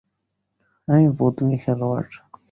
আমি বদলি খেলোয়াড়।